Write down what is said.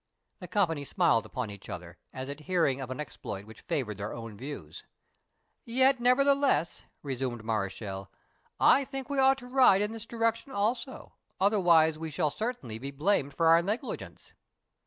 The company smiled upon each other, as at hearing of an exploit which favoured their own views. "Yet, nevertheless," resumed Mareschal, "I think we ought to ride in this direction also, otherwise we shall certainly be blamed for our negligence."